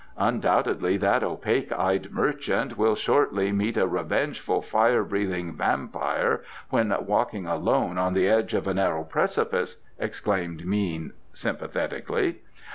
"Undoubtedly that opaque eyed merchant will shortly meet a revengeful fire breathing vampire when walking alone on the edge of a narrow precipice," exclaimed Mean sympathetically.